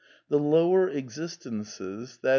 . the lower existences, i.